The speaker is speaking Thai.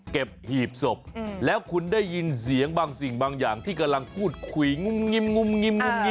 เก็บหีบศพแล้วคุณได้ยินเสียงบางสิ่งบางอย่างที่กำลังขูดคุย